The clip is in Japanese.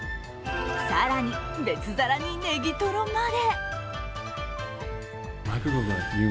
更に、別皿にネギトロまで。